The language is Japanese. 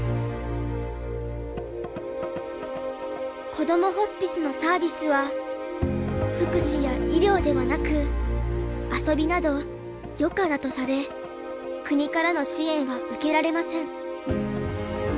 こどもホスピスのサービスは福祉や医療ではなく遊びなど余暇だとされ国からの支援は受けられません。